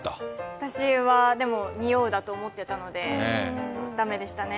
私は、におうだと思っていたのでちょっと駄目でしたね。